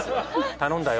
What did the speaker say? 頼んだよ。